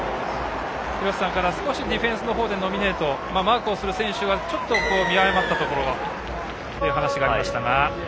廣瀬さんから少しディフェンスのほうでノミネートマークする選手がちょっと見誤ったところという話がありましたが。